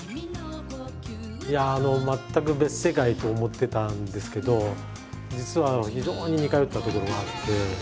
いやああの全く別世界と思ってたんですけど実は非常に似通ったところがあって。